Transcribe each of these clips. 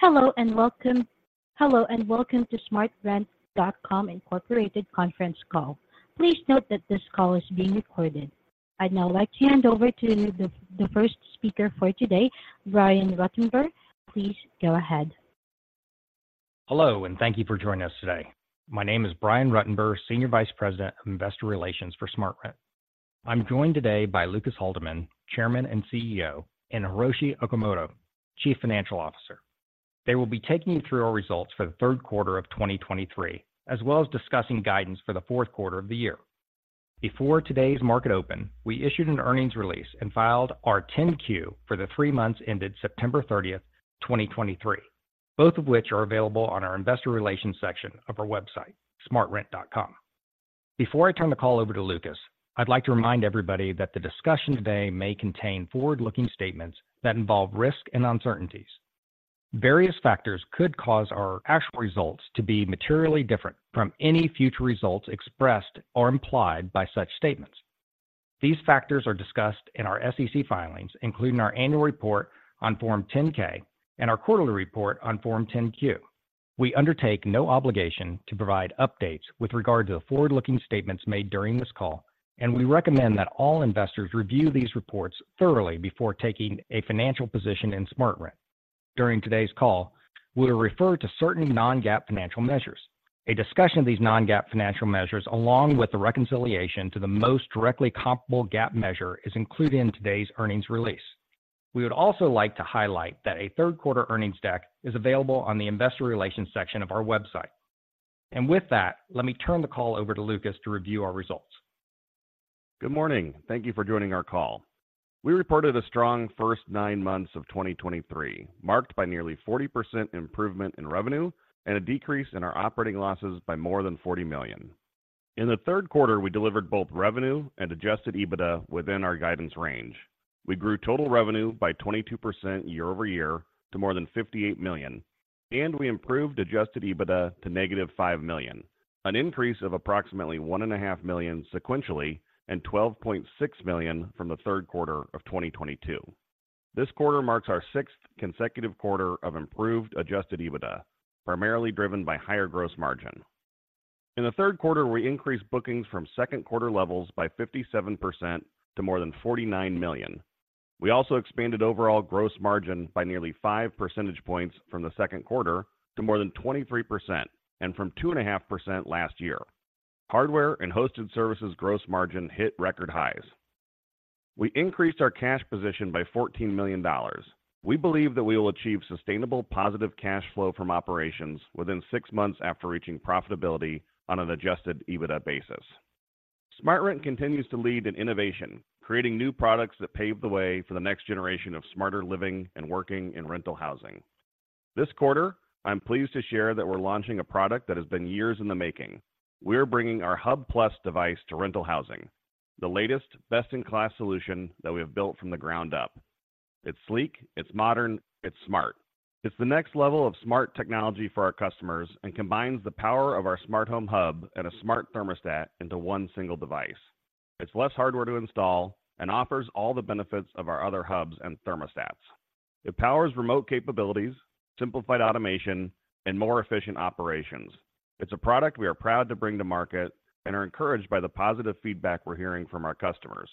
Hello, and welcome to SmartRent, Inc conference call. Please note that this call is being recorded. I'd now like to hand over to the first speaker for today, Brian Ruttenbur. Please go ahead. Hello, and thank you for joining us today. My name is Brian Ruttenbur, Senior Vice President of Investor Relations for SmartRent. I'm joined today by Lucas Haldeman, Chairman and CEO, and Hiroshi Okamoto, Chief Financial Officer. They will be taking you through our results for the third quarter of 2023, as well as discussing guidance for the fourth quarter of the year. Before today's market open, we issued an earnings release and filed our 10-Q for the three months ended September 30, 2023, both of which are available on our investor relations section of our website, smartrent.com. Before I turn the call over to Lucas, I'd like to remind everybody that the discussion today may contain forward-looking statements that involve risk and uncertainties. Various factors could cause our actual results to be materially different from any future results expressed or implied by such statements. These factors are discussed in our SEC filings, including our annual report on Form 10-K and our quarterly report on Form 10-Q. We undertake no obligation to provide updates with regard to the forward-looking statements made during this call, and we recommend that all investors review these reports thoroughly before taking a financial position in SmartRent. During today's call, we'll refer to certain non-GAAP financial measures. A discussion of these non-GAAP financial measures, along with the reconciliation to the most directly comparable GAAP measure, is included in today's earnings release. We would also like to highlight that a third quarter earnings deck is available on the investor relations section of our website. With that, let me turn the call over to Lucas to review our results. Good morning. Thank you for joining our call. We reported a strong first 9 months of 2023, marked by nearly 40% improvement in revenue and a decrease in our operating losses by more than $40 million. In the third quarter, we delivered both revenue and Adjusted EBITDA within our guidance range. We grew total revenue by 22% year-over-year to more than $58 million, and we improved Adjusted EBITDA to -$5 million, an increase of approximately $1.5 million sequentially and $12.6 million from the third quarter of 2022. This quarter marks our sixth consecutive quarter of improved Adjusted EBITDA, primarily driven by higher gross margin. In the third quarter, we increased bookings from second quarter levels by 57% to more than $49 million. We also expanded overall gross margin by nearly 5 percentage points from the second quarter to more than 23% and from 2.5% last year. Hardware and hosted services gross margin hit record highs. We increased our cash position by $14 million. We believe that we will achieve sustainable positive cash flow from operations within six months after reaching profitability on an Adjusted EBITDA basis. SmartRent continues to lead in innovation, creating new products that pave the way for the next generation of smarter living and working in rental housing. This quarter, I'm pleased to share that we're launching a product that has been years in the making. We're bringing our Hub+ device to rental housing, the latest best-in-class solution that we have built from the ground up. It's sleek, it's modern, it's smart. It's the next level of smart technology for our customers and combines the power of our smart home hub and a smart thermostat into one single device. It's less hardware to install and offers all the benefits of our other hubs and thermostats. It powers remote capabilities, simplified automation, and more efficient operations. It's a product we are proud to bring to market and are encouraged by the positive feedback we're hearing from our customers.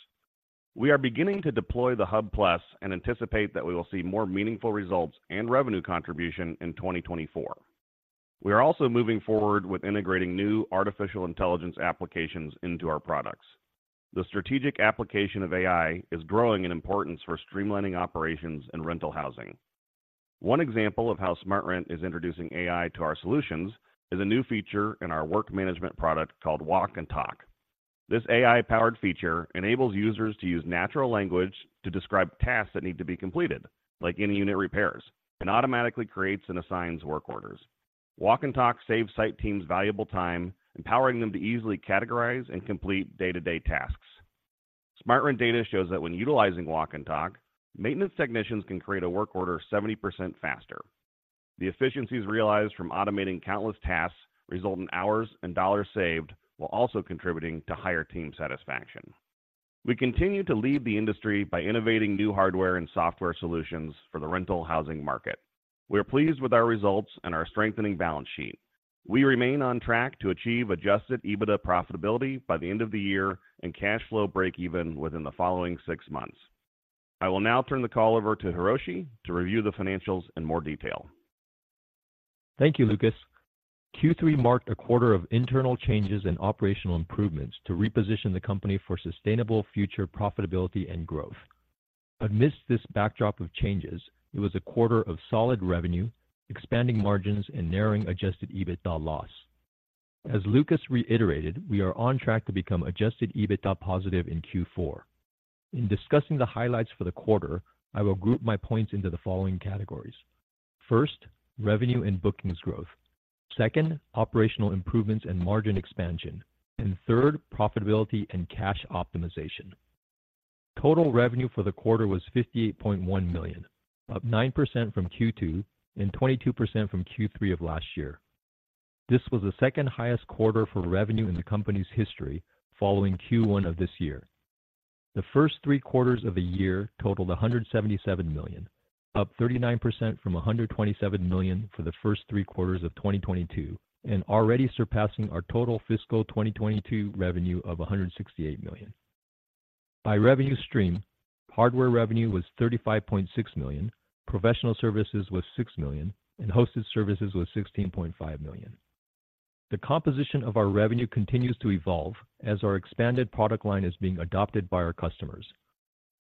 We are beginning to deploy the Hub+ and anticipate that we will see more meaningful results and revenue contribution in 2024. We are also moving forward with integrating new artificial intelligence applications into our products. The strategic application of AI is growing in importance for streamlining operations and rental housing. One example of how SmartRent is introducing AI to our solutions is a new feature in our Work Management product called Walk and Talk. This AI-powered feature enables users to use natural language to describe tasks that need to be completed, like any unit repairs, and automatically creates and assigns work orders. Walk and Talk saves site teams valuable time, empowering them to easily categorize and complete day-to-day tasks. SmartRent data shows that when utilizing Walk and Talk, maintenance technicians can create a work order 70% faster. The efficiencies realized from automating countless tasks result in hours and dollars saved, while also contributing to higher team satisfaction. We continue to lead the industry by innovating new hardware and software solutions for the rental housing market. We are pleased with our results and our strengthening balance sheet. We remain on track to achieve Adjusted EBITDA profitability by the end of the year and cash flow breakeven within the following six months. I will now turn the call over to Hiroshi to review the financials in more detail. Thank you, Lucas. Q3 marked a quarter of internal changes and operational improvements to reposition the company for sustainable future profitability and growth. Amidst this backdrop of changes, it was a quarter of solid revenue, expanding margins, and narrowing Adjusted EBITDA loss. As Lucas reiterated, we are on track to become Adjusted EBITDA positive in Q4. In discussing the highlights for the quarter, I will group my points into the following categories. First, revenue and bookings growth. Second, operational improvements and margin expansion. And third, profitability and cash optimization. Total revenue for the quarter was $58.1 million, up 9% from Q2 and 22% from Q3 of last year.... This was the second-highest quarter for revenue in the company's history, following Q1 of this year. The first three quarters of the year totaled $177 million, up 39% from $127 million for the first three quarters of 2022, and already surpassing our total fiscal 2022 revenue of $168 million. By revenue stream, hardware revenue was $35.6 million, professional services was $6 million, and hosted services was $16.5 million. The composition of our revenue continues to evolve as our expanded product line is being adopted by our customers.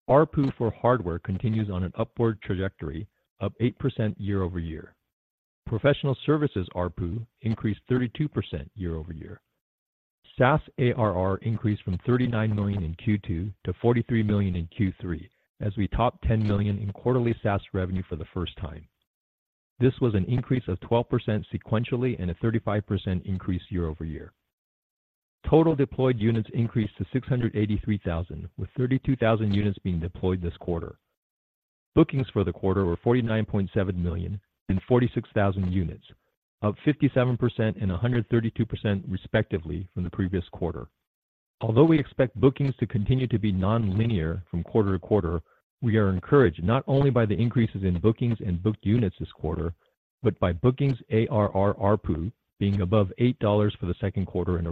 ARPU for hardware continues on an upward trajectory, up 8% year-over-year. Professional services ARPU increased 32% year-over-year. SaaS ARR increased from $39 million in Q2 to $43 million in Q3, as we topped $10 million in quarterly SaaS revenue for the first time. This was an increase of 12% sequentially and a 35% increase year-over-year. Total deployed units increased to 683,000, with 32,000 units being deployed this quarter. Bookings for the quarter were $49.7 million and 46,000 units, up 57% and 132% respectively from the previous quarter. Although we expect bookings to continue to be nonlinear from quarter to quarter, we are encouraged not only by the increases in bookings and booked units this quarter, but by bookings ARR ARPU being above $8 for the second quarter in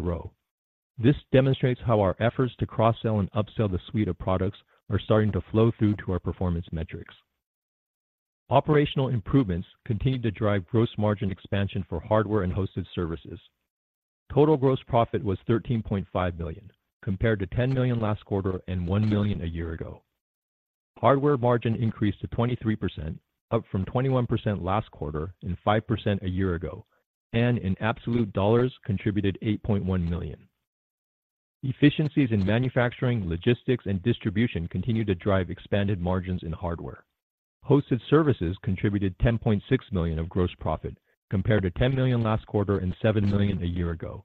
a row. This demonstrates how our efforts to cross-sell and upsell the suite of products are starting to flow through to our performance metrics. Operational improvements continued to drive gross margin expansion for hardware and hosted services. Total gross profit was $13.5 million, compared to $10 million last quarter and $1 million a year ago. Hardware margin increased to 23%, up from 21% last quarter and 5% a year ago, and in absolute dollars, contributed $8.1 million. Efficiencies in manufacturing, logistics, and distribution continued to drive expanded margins in hardware. Hosted services contributed $10.6 million of gross profit, compared to $10 million last quarter and $7 million a year ago.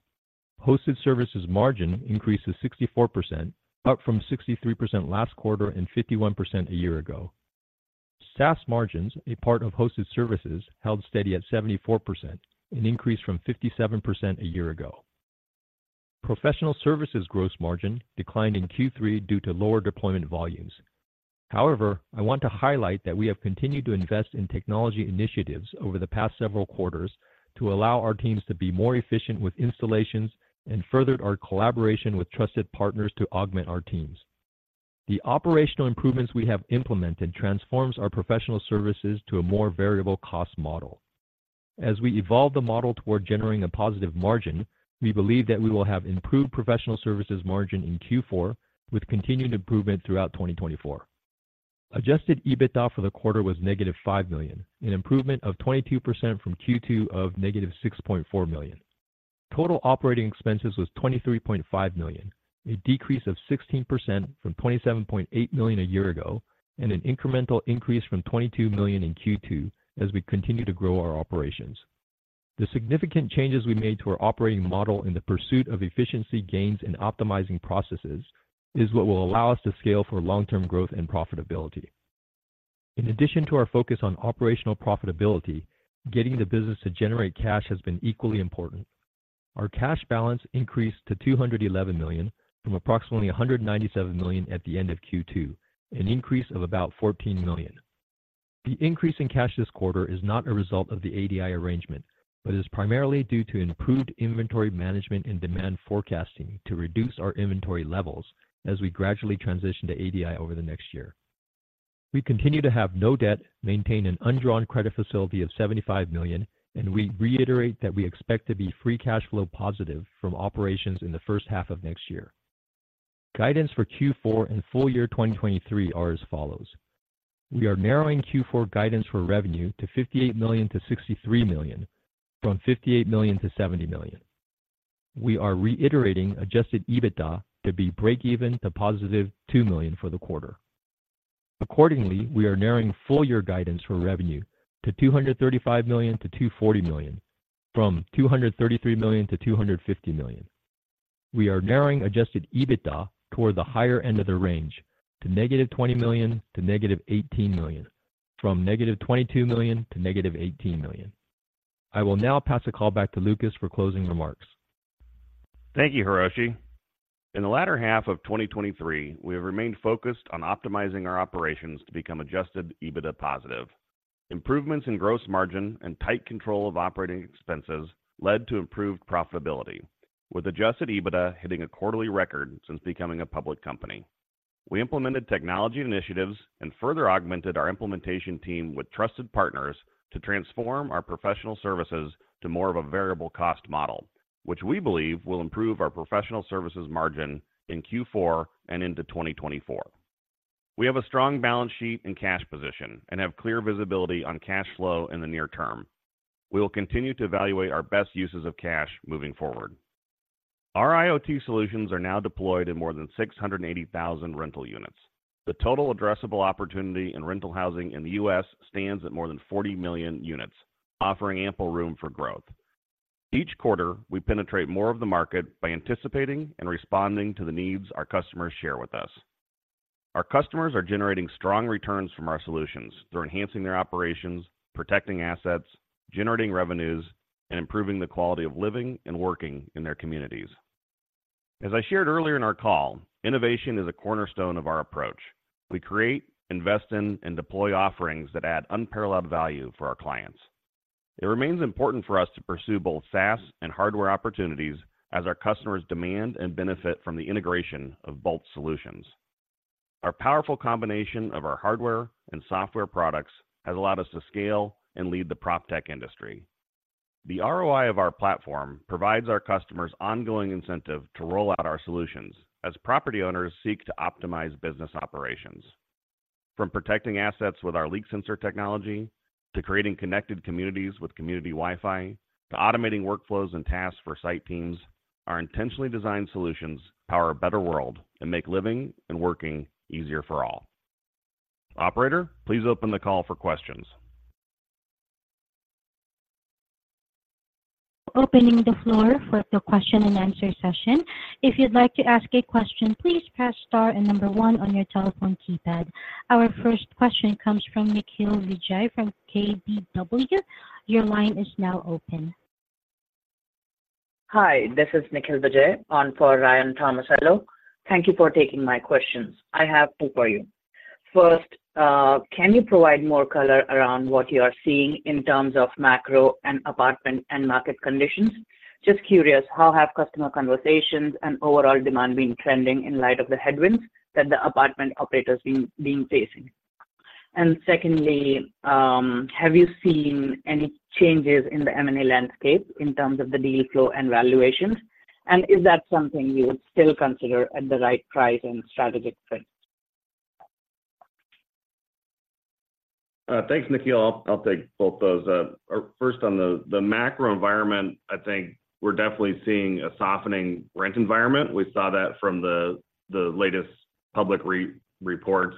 Hosted services margin increased to 64%, up from 63% last quarter and 51% a year ago. SaaS margins, a part of hosted services, held steady at 74%, an increase from 57% a year ago. Professional services gross margin declined in Q3 due to lower deployment volumes. However, I want to highlight that we have continued to invest in technology initiatives over the past several quarters to allow our teams to be more efficient with installations and furthered our collaboration with trusted partners to augment our teams. The operational improvements we have implemented transforms our professional services to a more variable cost model. As we evolve the model toward generating a positive margin, we believe that we will have improved professional services margin in Q4, with continued improvement throughout 2024. Adjusted EBITDA for the quarter was negative $5 million, an improvement of 22% from Q2 of negative $6.4 million. Total operating expenses was $23.5 million, a decrease of 16% from $27.8 million a year ago, and an incremental increase from $22 million in Q2 as we continue to grow our operations. The significant changes we made to our operating model in the pursuit of efficiency gains and optimizing processes is what will allow us to scale for long-term growth and profitability. In addition to our focus on operational profitability, getting the business to generate cash has been equally important. Our cash balance increased to $211 million from approximately $197 million at the end of Q2, an increase of about $14 million. The increase in cash this quarter is not a result of the ADI arrangement, but is primarily due to improved inventory management and demand forecasting to reduce our inventory levels as we gradually transition to ADI over the next year. We continue to have no debt, maintain an undrawn credit facility of $75 million, and we reiterate that we expect to be free cash flow positive from operations in the H1 of next year. Guidance for Q4 and full year 2023 are as follows: We are narrowing Q4 guidance for revenue to $58 million to $63 million, from $58 million to $70 million. We are reiterating Adjusted EBITDA to be breakeven to $2 million for the quarter. Accordingly, we are narrowing full year guidance for revenue to $235 million to $240 million, from $233 million to $250 million. We are narrowing Adjusted EBITDA toward the higher end of the range to -$20 million to -$18 million, from -$22 million to -$18 million. I will now pass the call back to Lucas for closing remarks. Thank you, Hiroshi. In the latter half of 2023, we have remained focused on optimizing our operations to become Adjusted EBITDA positive. Improvements in gross margin and tight control of operating expenses led to improved profitability, with Adjusted EBITDA hitting a quarterly record since becoming a public company. We implemented technology initiatives and further augmented our implementation team with trusted partners to transform our professional services to more of a variable cost model, which we believe will improve our professional services margin in Q4 and into 2024. We have a strong balance sheet and cash position and have clear visibility on cash flow in the near term. We will continue to evaluate our best uses of cash moving forward. Our IoT solutions are now deployed in more than 680,000 rental units. The total addressable opportunity in rental housing in the U.S. stands at more than 40 million units, offering ample room for growth. Each quarter, we penetrate more of the market by anticipating and responding to the needs our customers share with us. Our customers are generating strong returns from our solutions. They're enhancing their operations, protecting assets, generating revenues, and improving the quality of living and working in their communities. As I shared earlier in our call, innovation is a cornerstone of our approach. We create, invest in, and deploy offerings that add unparalleled value for our clients. It remains important for us to pursue both SaaS and hardware opportunities as our customers demand and benefit from the integration of both solutions. Our powerful combination of our hardware and software products has allowed us to scale and lead the PropTech industry. The ROI of our platform provides our customers ongoing incentive to roll out our solutions as property owners seek to optimize business operations. From protecting assets with our leak sensor technology, to creating connected communities with community Wi-Fi, to automating workflows and tasks for site teams, our intentionally designed solutions power a better world and make living and working easier for all. Operator, please open the call for questions. Opening the floor for the question and answer session. If you'd like to ask a question, please press star and number one on your telephone keypad. Our first question comes from Nikhil Vijay from KBW. Your line is now open. Hi, this is Nikhil Vijay on for Ryan Tomasello. Thank you for taking my questions. I have two for you. First, can you provide more color around what you are seeing in terms of macro and apartment and market conditions? Just curious, how have customer conversations and overall demand been trending in light of the headwinds that the apartment operators been facing? And secondly, have you seen any changes in the M&A landscape in terms of the deal flow and valuations? And is that something you would still consider at the right price and strategic fit? Thanks, Nikhil. I'll take both those. First, on the macro environment, I think we're definitely seeing a softening rent environment. We saw that from the latest public reports.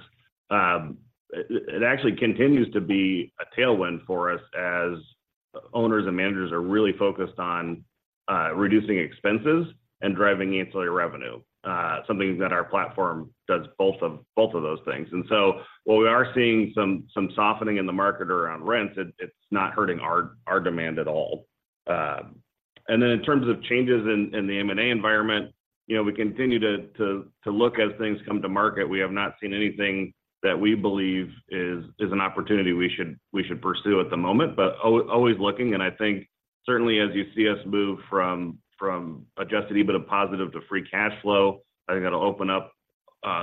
It actually continues to be a tailwind for us as owners and managers are really focused on reducing expenses and driving ancillary revenue, something that our platform does both of those things. And so while we are seeing some softening in the market around rents, it's not hurting our demand at all. And then in terms of changes in the M&A environment, you know, we continue to look as things come to market. We have not seen anything that we believe is an opportunity we should pursue at the moment. But always looking, and I think certainly as you see us move from, from Adjusted EBITDA positive to free cash flow, I think that'll open up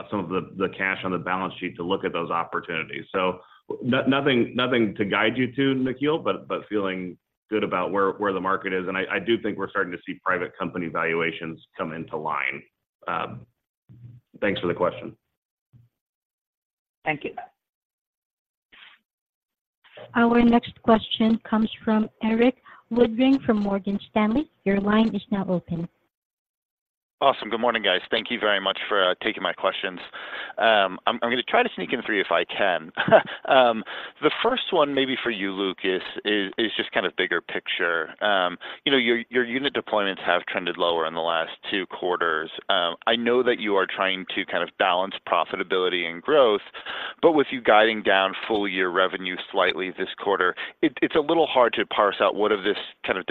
some of the, the cash on the balance sheet to look at those opportunities. So nothing, nothing to guide you to, Nikhil, but, but feeling good about where, where the market is, and I, I do think we're starting to see private company valuations come into line. Thanks for the question. Thank you. Our next question comes from Erik Woodring from Morgan Stanley. Your line is now open. Awesome. Good morning, guys. Thank you very much for taking my questions. I'm gonna try to sneak in three if I can. The first one may be for you, Lucas, is just kind of bigger picture. You know, your unit deployments have trended lower in the last two quarters. I know that you are trying to kind of balance profitability and growth, but with you guiding down full year revenue slightly this quarter, it's a little hard to parse out what of this kind of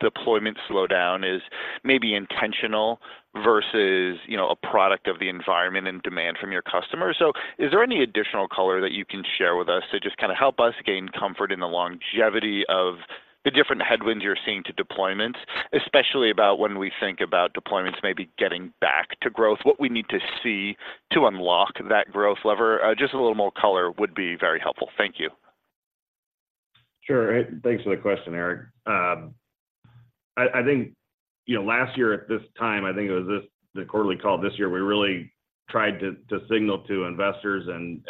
deployment slowdown is maybe intentional versus, you know, a product of the environment and demand from your customers. So is there any additional color that you can share with us to just kind of help us gain comfort in the longevity of the different headwinds you're seeing to deployments, especially about when we think about deployments maybe getting back to growth, what we need to see to unlock that growth lever? Just a little more color would be very helpful. Thank you. Sure. Thanks for the question, Erik. I think, you know, last year at this time, I think it was the quarterly call this year, we really tried to signal to investors and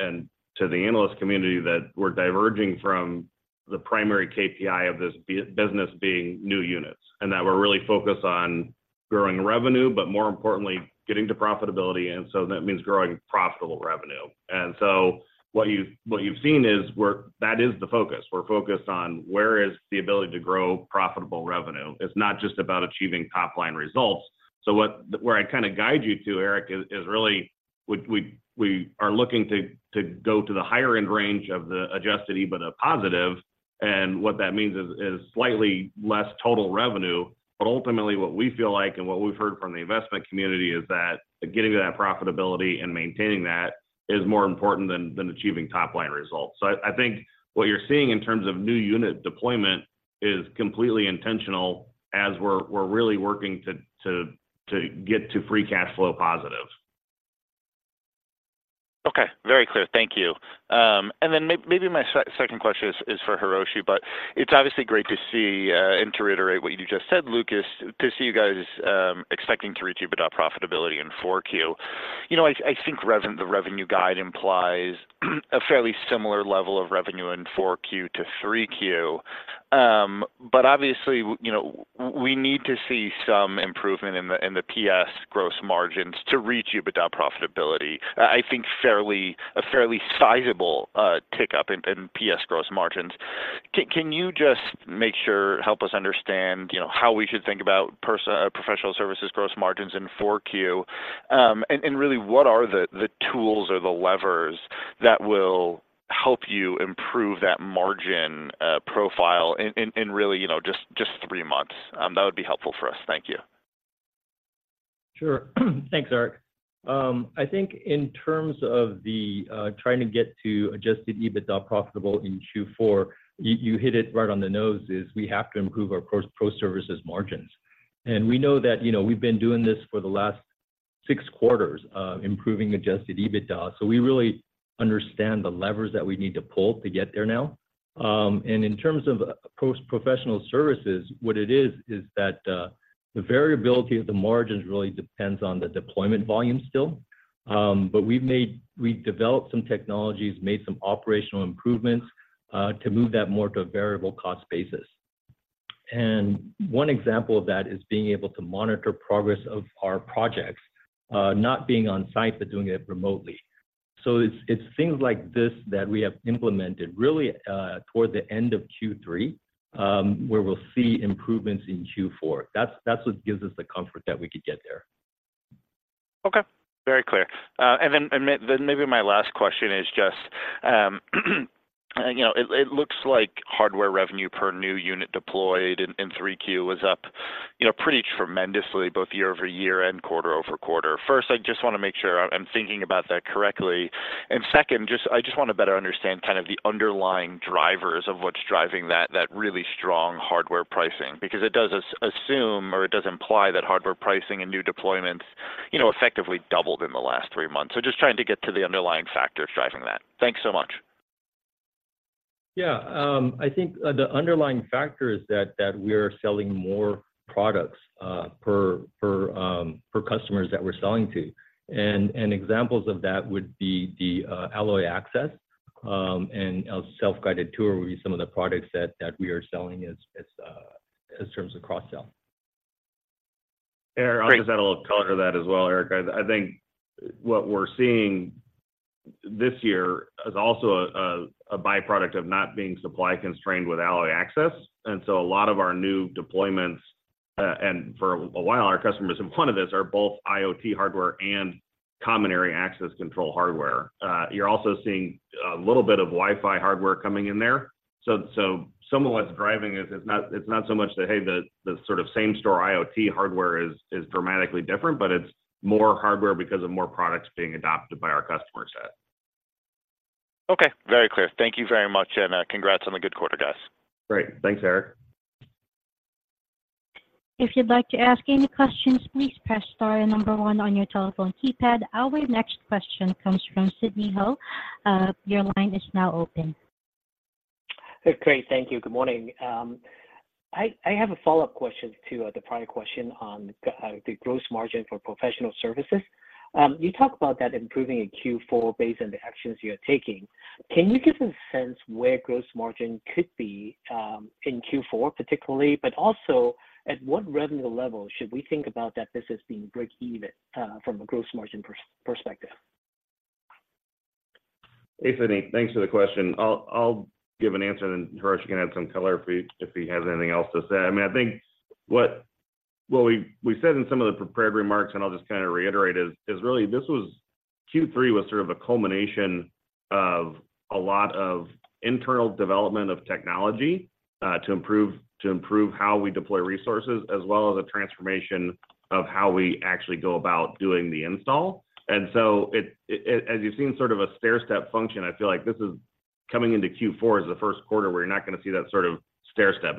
to the analyst community that we're diverging from the primary KPI of this business being new units, and that we're really focused on growing revenue, but more importantly, getting to profitability, and so that means growing profitable revenue. And so what you've seen is we're, that is the focus. We're focused on where is the ability to grow profitable revenue. It's not just about achieving top-line results. So where I kind of guide you to, Erik, is really we are looking to go to the higher end range of the Adjusted EBITDA positive, and what that means is slightly less total revenue. But ultimately, what we feel like and what we've heard from the investment community is that getting to that profitability and maintaining that is more important than achieving top-line results. So I think what you're seeing in terms of new unit deployment is completely intentional as we're really working to get to free cash flow positive. Okay. Very clear. Thank you. And then maybe my second question is for Hiroshi, but it's obviously great to see, and to reiterate what you just said, Lucas, to see you guys expecting to reach EBITDA profitability in 4Q. You know, I think the revenue guide implies a fairly similar level of revenue in 4Q to 3Q. But obviously, you know, we need to see some improvement in the PS gross margins to reach EBITDA profitability. I think a fairly sizable tick-up in PS gross margins. Can you just help us understand, you know, how we should think about professional services gross margins in 4Q? Really, what are the tools or the levers that will help you improve that margin profile in really, you know, just three months? That would be helpful for us. Thank you. Sure. Thanks, Erik. I think in terms of the trying to get to Adjusted EBITDA profitable in Q4, you hit it right on the nose, is we have to improve our professional services margins. And we know that, you know, we've been doing this for the last six quarters, improving Adjusted EBITDA, so we really understand the levers that we need to pull to get there now. And in terms of professional services, what it is, is that the variability of the margins really depends on the deployment volume still. But we've developed some technologies, made some operational improvements, to move that more to a variable cost basis. And one example of that is being able to monitor progress of our projects, not being on site, but doing it remotely. So it's, it's things like this that we have implemented really toward the end of Q3, where we'll see improvements in Q4. That's, that's what gives us the comfort that we could get there. Okay, very clear. And then maybe my last question is just, you know, it looks like hardware revenue per new unit deployed in Q3 was up, you know, pretty tremendously, both year-over-year and quarter-over-quarter. First, I just wanna make sure I'm thinking about that correctly. And second, I just wanna better understand kind of the underlying drivers of what's driving that really strong hardware pricing because it does assume or it does imply that hardware pricing and new deployments, you know, effectively doubled in the last three months. So just trying to get to the underlying factors driving that. Thanks so much. Yeah. I think the underlying factor is that we are selling more products per customers that we're selling to. And examples of that would be the Alloy Access and a Self-Guided Tour would be some of the products that we are selling as in terms of cross-sell. Erik, I'll just add a little color to that as well, Erik. I think what we're seeing this year is also a by-product of not being supply constrained with Alloy Access. And so a lot of our new deployments, and for a while, our customers in front of this are both IoT hardware and common area access control hardware. You're also seeing a little bit of Wi-Fi hardware coming in there. So some of what's driving is not, it's not so much that, hey, the sort of same store IoT hardware is dramatically different, but it's more hardware because of more products being adopted by our customer set. Okay, very clear. Thank you very much, and, congrats on the good quarter, guys. Great. Thanks, Erik. If you'd like to ask any questions, please press star and number one on your telephone keypad. Our next question comes from Sidney Ho. Your line is now open. Great. Thank you. Good morning. I have a follow-up question to the prior question on the gross margin for professional services. You talked about that improving in Q4 based on the actions you are taking. Can you give a sense where gross margin could be in Q4 particularly, but also at what revenue level should we think about that this is being breakeven from a gross margin perspective? Hey, Sidney. Thanks for the question. I'll give an answer, and then Hiroshi can add some color if he has anything else to say. I mean, I think what we said in some of the prepared remarks, and I'll just kinda reiterate, is really this was, Q3 was sort of a culmination of a lot of internal development of technology to improve how we deploy resources, as well as a transformation of how we actually go about doing the install. And so it- as you've seen sort of a stairstep function, I feel like this is coming into Q4 as the first quarter, where you're not gonna see that sort of stairstep.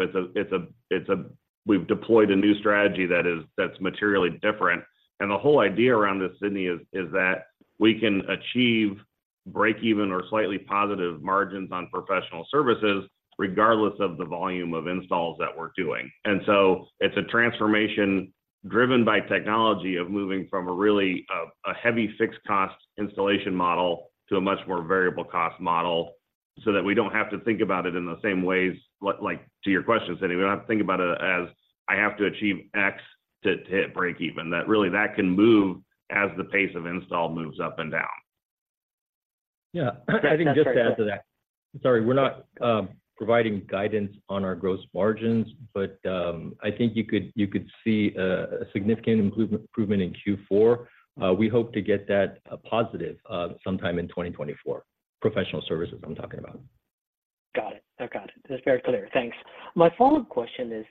It's a, we've deployed a new strategy that is, that's materially different. The whole idea around this, Sidney, is that we can achieve breakeven or slightly positive margins on professional services, regardless of the volume of installs that we're doing. So it's a transformation driven by technology of moving from a really, a heavy fixed cost installation model to a much more variable cost model, so that we don't have to think about it in the same ways, like to your question, Sidney, we don't have to think about it as I have to achieve X to hit breakeven. That really can move as the pace of install moves up and down. Yeah. I think just to add to that. Sorry, we're not providing guidance on our gross margins, but I think you could see a significant improvement in Q4. We hope to get that positive sometime in 2024. Professional services, I'm talking about. Got it. I got it. That's very clear. Thanks. My follow-up question is,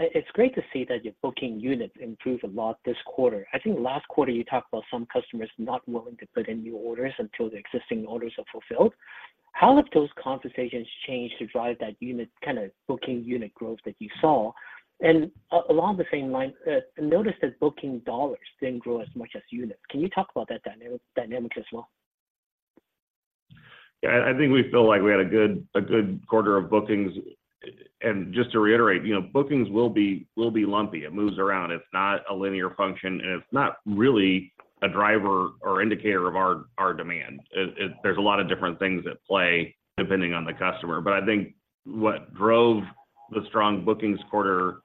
it's great to see that your booking units improved a lot this quarter. I think last quarter you talked about some customers not willing to put in new orders until the existing orders are fulfilled. How have those conversations changed to drive that unit, kind of, booking unit growth that you saw? And along the same line, I noticed that booking dollars didn't grow as much as units. Can you talk about that dynamic as well? Yeah. I think we feel like we had a good quarter of bookings. And just to reiterate, you know, bookings will be lumpy. It moves around. It's not a linear function, and it's not really a driver or indicator of our demand. There's a lot of different things at play, depending on the customer. But I think what drove the strong bookings quarter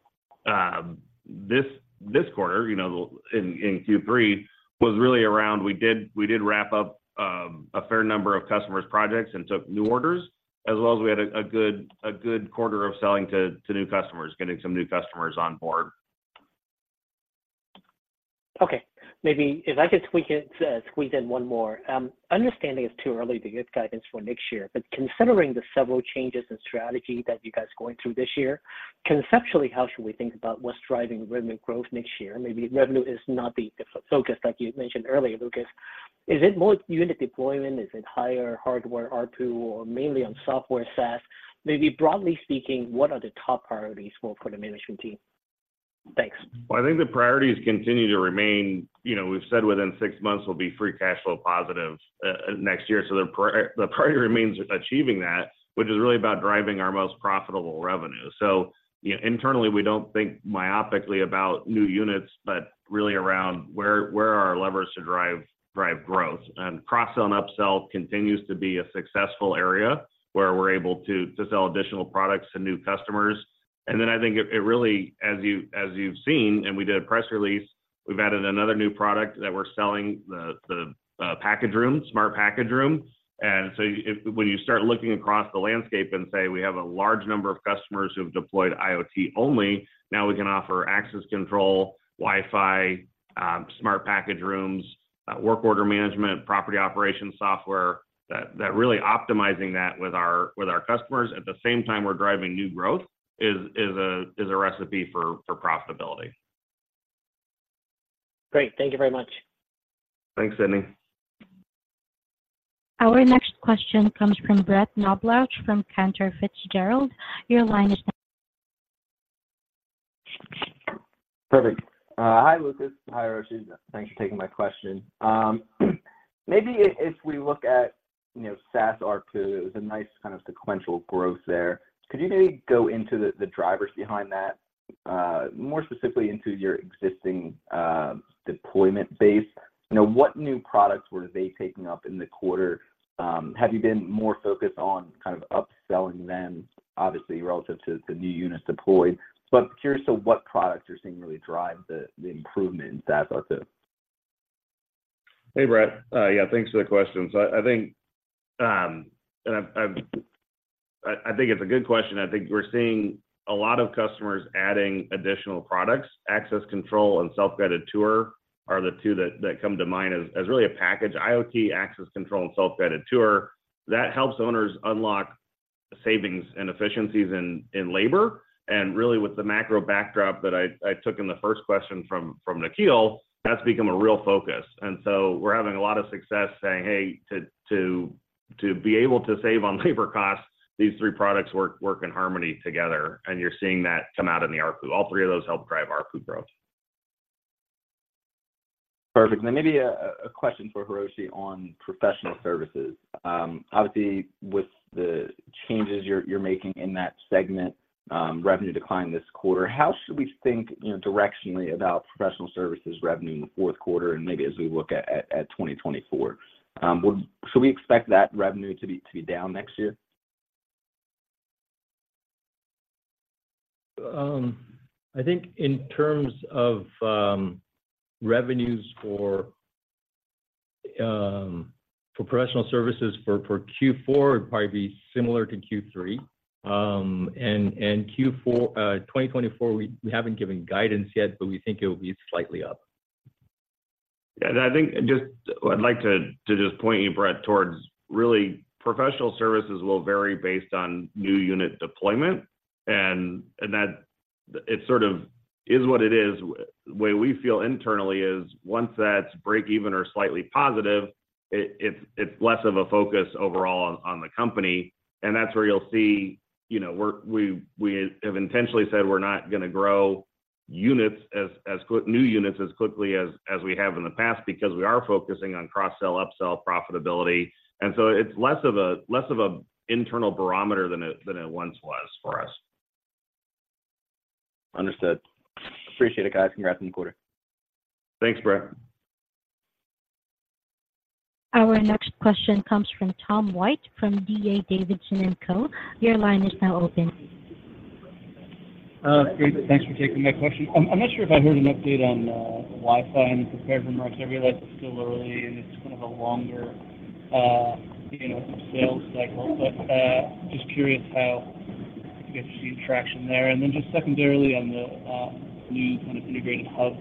this quarter, you know, in Q3 was really around we did wrap up a fair number of customers' projects and took new orders, as well as we had a good quarter of selling to new customers, getting some new customers on board. Okay. Maybe if I could tweak in, squeeze in one more. Understanding it's too early to get guidance for next year, but considering the several changes in strategy that you guys are going through this year, conceptually, how should we think about what's driving revenue growth next year? Maybe revenue is not the different focus, like you had mentioned earlier, Lucas. Is it more unit deployment? Is it higher hardware ARPU or mainly on software SaaS? Maybe broadly speaking, what are the top priorities for, for the management team? Thanks. Well, I think the priorities continue to remain. You know, we've said within six months, we'll be free cash flow positive next year. So the priority remains achieving that, which is really about driving our most profitable revenue. So, you know, internally, we don't think myopically about new units, but really around where are our levers to drive growth. And cross-sell and up-sell continues to be a successful area where we're able to sell additional products to new customers. And then I think it really, as you've seen, and we did a press release, we've added another new product that we're selling, the Package room, Smart Package Room. And so if we you start looking across the landscape and say, we have a large number of customers who have deployed IoT only, now we can offer access control, Wi-Fi, Smart Package Rooms, work order management, property operations software, that really optimizing that with our, with our customers, at the same time, we're driving new growth, is a recipe for profitability. Great. Thank you very much. Thanks, Sydney. Our next question comes from Brett Knoblauch, from Cantor Fitzgerald. Your line is now. Perfect. Hi, Lucas. Hi, Hiroshi. Thanks for taking my question. Maybe if we look at, you know, SaaS ARPU, it was a nice kind of sequential growth there. Could you maybe go into the drivers behind that, more specifically into your existing deployment base? You know, what new products were they taking up in the quarter? Have you been more focused on kind of upselling them, obviously, relative to the new units deployed? But curious to what products you're seeing really drive the improvement in SaaS ARPU. Hey, Brett. Yeah, thanks for the question. So I think it's a good question. I think we're seeing a lot of customers adding additional products. Access control and self-guided tour are the two that come to mind as really a package. IoT access control and self-guided tour, that helps owners unlock savings and efficiencies in labor, and really with the macro backdrop that I took in the first question from Nikhil, that's become a real focus. And so we're having a lot of success saying, "Hey, to be able to save on labor costs, these three products work in harmony together," and you're seeing that come out in the ARPU. All three of those help drive ARPU growth. Perfect. And then maybe a question for Hiroshi on professional services. Obviously, with the changes you're making in that segment, revenue declined this quarter. How should we think, you know, directionally about professional services revenue in the fourth quarter, and maybe as we look at 2024? Should we expect that revenue to be down next year? I think in terms of revenues for professional services for Q4, it'd probably be similar to Q3. And Q4 2024, we haven't given guidance yet, but we think it will be slightly up. Yeah, and I think I'd like to just point you, Brett, towards really professional services will vary based on new unit deployment, and that it sort of is what it is. The way we feel internally is once that's break even or slightly positive, it's less of a focus overall on the company. And that's where you'll see, you know, we have intentionally said we're not gonna grow new units as quickly as we have in the past because we are focusing on cross-sell, up-sell profitability. And so it's less of an internal barometer than it once was for us. Understood. Appreciate it, guys. Congrats on the quarter. Thanks, Brett. Our next question comes from Tom White, from D.A. Davidson and Co your line is now open. Great. Thanks for taking my question. I'm not sure if I heard an update on Wi-Fi and the thermostat remarks. I realize it's still early, and it's kind of a longer, you know, sales cycle. But just curious how you guys are seeing traction there. And then just secondarily on the new kind of integrated hub,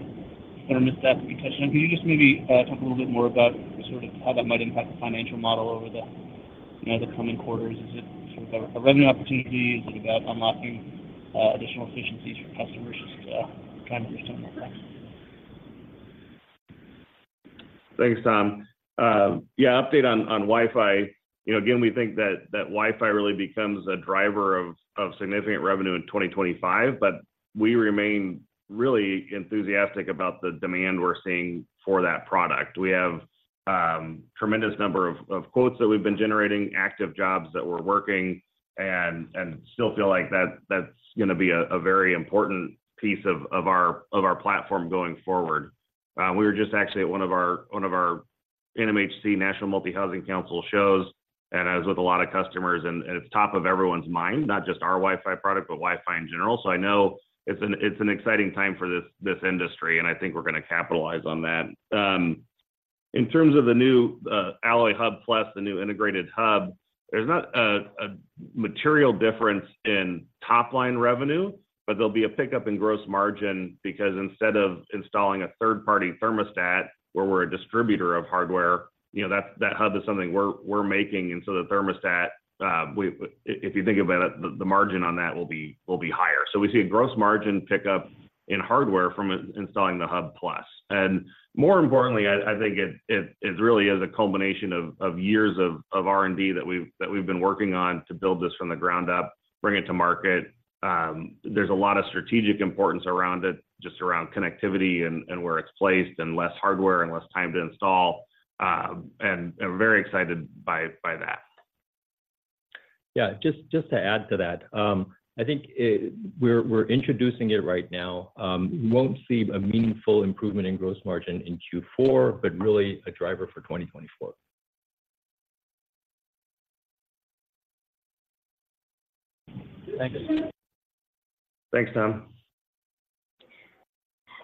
I missed that you touched on. Can you just maybe talk a little bit more about sort of how that might impact the financial model over the, you know, the coming quarters? Is it sort of a revenue opportunity? Is it about unlocking additional efficiencies for customers? Just trying to understand more about that. Thanks, Tom. Yeah, update on Wi-Fi. You know, again, we think that Wi-Fi really becomes a driver of significant revenue in 2025, but we remain really enthusiastic about the demand we're seeing for that product. We have tremendous number of quotes that we've been generating, active jobs that we're working, and still feel like that's gonna be a very important piece of our platform going forward. We were just actually at one of our NMHC, National Multi-Housing Council shows, and I was with a lot of customers, and it's top of everyone's mind, not just our Wi-Fi product, but Wi-Fi in general. So I know it's an exciting time for this industry, and I think we're gonna capitalize on that. In terms of the new Alloy Hub+, the new integrated hub, there's not a material difference in top-line revenue, but there'll be a pickup in gross margin, because instead of installing a third-party thermostat, where we're a distributor of hardware, you know, that hub is something we're making. And so the thermostat, if you think about it, the margin on that will be higher. So we see a gross margin pickup in hardware from installing the Hub+. And more importantly, I think it really is a culmination of years of R&D that we've been working on to build this from the ground up, bring it to market. There's a lot of strategic importance around it, just around connectivity and where it's placed, and less hardware, and less time to install. And I'm very excited by that. Yeah, just, just to add to that, I think, we're introducing it right now. We won't see a meaningful improvement in gross margin in Q4, but really a driver for 2024. Thank you. Thanks, Tom.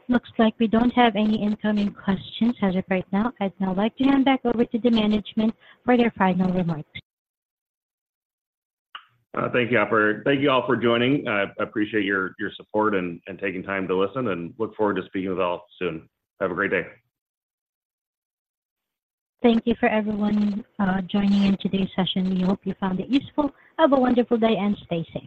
Looks like we don't have any incoming questions as of right now. I'd now like to hand back over to the management for their final remarks. Thank you all for joining. I appreciate your support and taking time to listen, and look forward to speaking with you all soon. Have a great day. Thank you for everyone, joining in today's session. We hope you found it useful. Have a wonderful day, and stay safe.